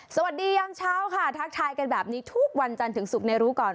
พยายามเช้าค่ะทักทายกันแบบนี้ทุกวันจันทร์ถึงศุกร์ในรู้ก่อน